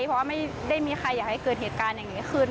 เพราะว่าไม่ได้มีใครอยากให้เกิดเหตุการณ์อย่างนี้ขึ้น